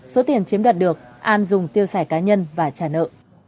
số tiền chiếm đoạt được an dùng tiêu xài cá nhân và trả nợ